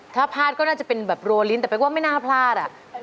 ถ้าพลาดก็น่าจะเป็นแบบรัวลิ้นแต่เป๊กว่าไม่น่าพลาดอ่ะ